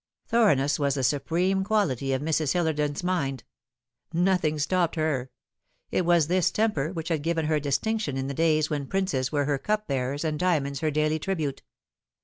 Thoroughness was the supreme quality of Mrs. Hillersdon's mind. Nothing stopped her. It was this temper which had given her distinction in the days when princes were her cupbearers and diamonds her daily tribute.